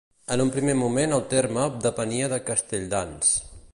En un primer moment el terme depenia de Castelldans.